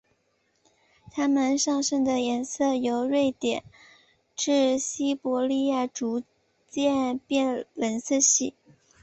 它们上身的颜色由瑞典至西伯利亚逐渐变冷色系。